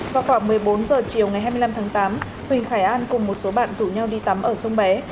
vào khoảng một mươi bốn h chiều ngày hai mươi năm tháng tám huỳnh khải an cùng một số bạn rủ nhau đi tắm ở sông bé